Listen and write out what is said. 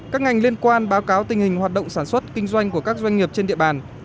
các ngành liên quan báo cáo tình hình hoạt động sản xuất kinh doanh của các doanh nghiệp trên địa bàn